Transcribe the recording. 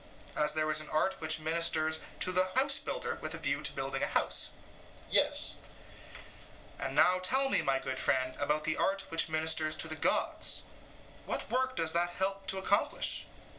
SOCRATES: As there is an art which ministers to the house builder with a view to the building of a house? EUTHYPHRO: Yes. SOCRATES: And now tell me, my good friend, about the art which ministers to the gods: what work does that help to accomplish?